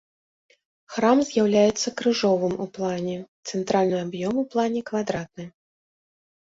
Храм з'яўляецца крыжовым у плане, цэнтральны аб'ём у плане квадратны.